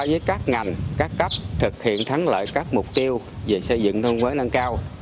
với các ngành các cấp thực hiện thắng lợi các mục tiêu về xây dựng thông mới năng cao